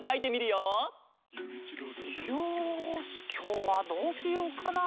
よしきょうはどうしようかな？